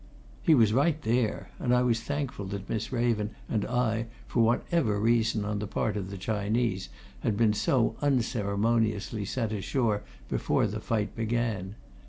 He was right there, and I was thankful that Miss Raven and I for whatever reason on the part of the Chinese, had been so unceremoniously sent ashore before the fight began.